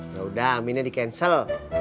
yaudah aminnya di cancel